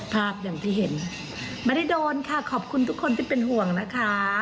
ภาพอย่างที่เห็นไม่ได้โดนค่ะขอบคุณทุกคนที่เป็นห่วงนะคะ